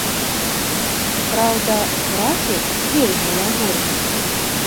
Праўда, графік вельмі лагодны.